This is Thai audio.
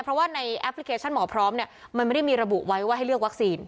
เพราะว่าในแอปพลิเคชันหมอพร้อมเนี่ยมันไม่ได้มีระบุไว้ว่าให้เลือกวัคซีน